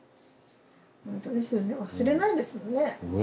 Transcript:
ほんとですよね忘れないですよね。